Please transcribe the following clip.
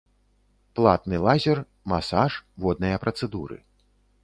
Платны лазер, масаж, водныя працэдуры.